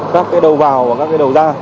các đầu vào và các đầu ra